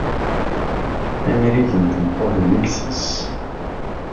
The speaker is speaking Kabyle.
Amrig n tmeṭṭut d iles-is.